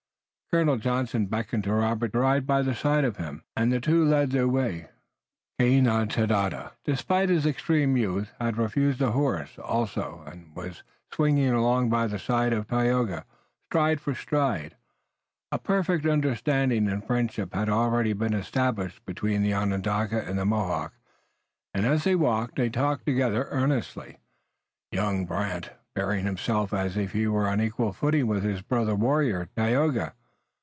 Colonel Johnson beckoned to Robert to ride by the side of him and the two led the way. Kegneghtada, despite his extreme youth, had refused a horse also, and was swinging along by the side of Tayoga, stride for stride. A perfect understanding and friendship had already been established between the Onondaga and the Mohawk, and as they walked they talked together earnestly, young Brant bearing himself as if he were on an equal footing with his brother warrior, Tayoga.